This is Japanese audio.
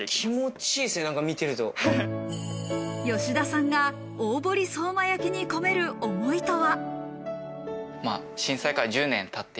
吉田さんが大堀相馬焼に込める想いとは。